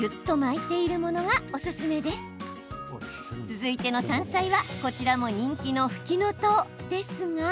続いての山菜はこちらも人気のふきのとうですが。